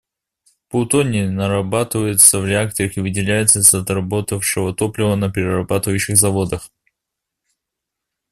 Плутоний нарабатывается в реакторах и выделяется из отработавшего топлива на перерабатывающих заводах.